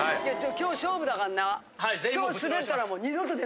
今日勝負だかんな。